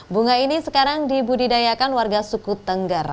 bunga ini sekarang dibudidayakan warga suku tengger